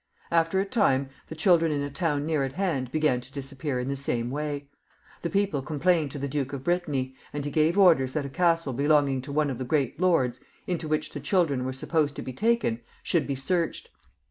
After a time, the children in a town near at hand began to disappear in the same way. The people complained to the Duke of Brittany, and he gave orders that a castle, belonging to one of the great lords, into which the children were supposed to be taken, should be searched.